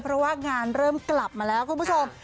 เพราะว่างานเริ่มกลับมาแล้วคุณผู้ชม